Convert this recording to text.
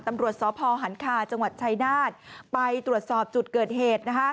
ตำรวจสพหันคาจังหวัดชายนาฏไปตรวจสอบจุดเกิดเหตุ